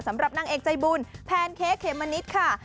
สำหรับนางเอกใจบุญแพนเค้กเขมมะนิดค่ะ